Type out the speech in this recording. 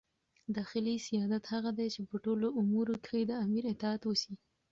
داخلي سیادت هغه دئ، چي په ټولو امورو کښي د امیر اطاعت وسي.